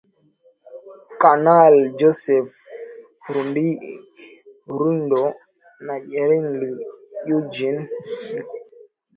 Kanali Joseph Rurindo na Jenerali Eugene Nkubito, kutoka kambi ya kijeshi ya Kibungo nchini Rwanda.